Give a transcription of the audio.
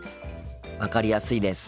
分かりやすいです。